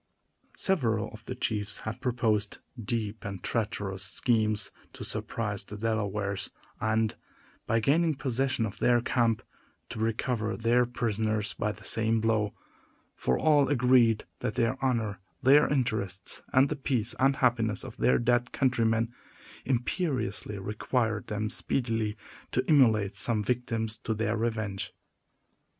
Several of the chiefs had proposed deep and treacherous schemes to surprise the Delawares and, by gaining possession of their camp, to recover their prisoners by the same blow; for all agreed that their honor, their interests, and the peace and happiness of their dead countrymen, imperiously required them speedily to immolate some victims to their revenge.